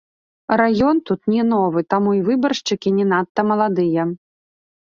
Раён тут не новы, таму і выбаршчыкі не надта маладыя.